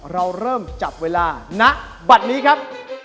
เราเริ่มจับเวลาณบัตรนี้ครับ